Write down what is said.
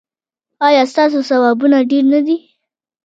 ایا ستاسو ثوابونه ډیر نه دي؟